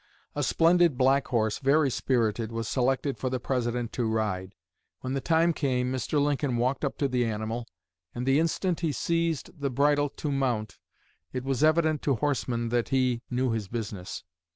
A splendid black horse, very spirited, was selected for the President to ride. When the time came, Mr. Lincoln walked up to the animal, and the instant he seized the bridle to mount, it was evident to horsemen that he 'knew his business.'